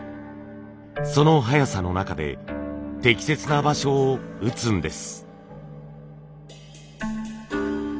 その速さの中で適切な場所を打つんです。